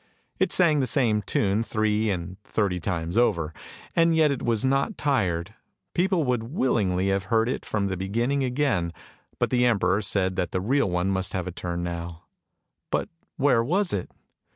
It sang the same tune three and thirty times over, and yet it was not tired; people would willingly have heard it from the beginning again, but the Emperor said that the real one must have a turn now — but where was it?